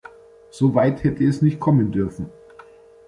So weit hätte es nicht kommen dürfen.